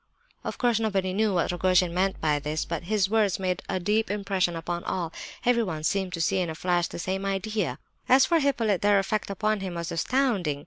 Of course nobody knew what Rogojin meant by this; but his words made a deep impression upon all. Everyone seemed to see in a flash the same idea. As for Hippolyte, their effect upon him was astounding.